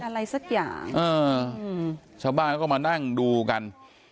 อะไรสักอย่างเออชาวบ้านเขาก็มานั่งดูกัน